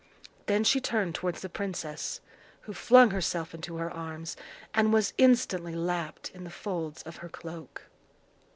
Then she turned towards the princess, who flung herself into her arms, and was instantly lapped in the folds of her cloak.